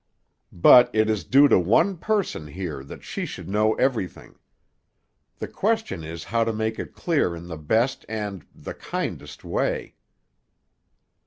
"But it is due to one person here that she should know everything. The question is how to make it clear in the best and—and kindest way."